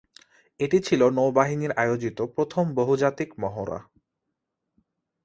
এটি ছিল নৌবাহিনীর আয়োজিত প্রথম বহুজাতিক মহড়া।